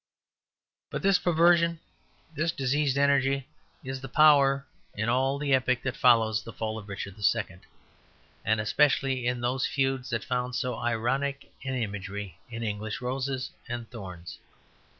But this perversion, this diseased energy, is the power in all the epoch that follows the fall of Richard II., and especially in those feuds that found so ironic an imagery in English roses and thorns.